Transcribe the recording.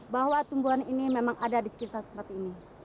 bahwa tumbuhan ini memang ada di sekitar tempat ini